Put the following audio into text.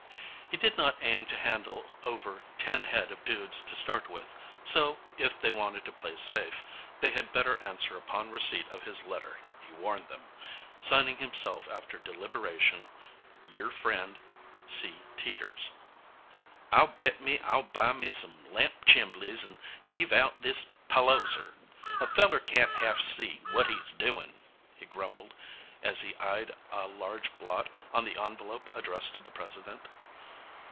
He did not aim to handle over ten head of dudes to start with, so, if they wanted to play safe, they had better answer upon receipt of his letter, he warned them, signing himself after deliberation: Yure frend C. TEETERS "I'll bet me I'll buy me some lamp chimbleys and heave out this palouser. A feller can't half see what he's doin'," he grumbled as he eyed a large blot on the envelope addressed to the President.